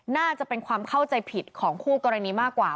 น่าจะเป็นความเข้าใจผิดของคู่กรณีมากกว่า